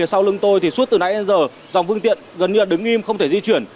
sau lưng tôi thì suốt từ nãy đến giờ dòng phương tiện gần như là đứng im không thể di chuyển